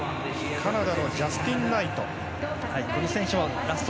カナダのジャスティン・ナイト。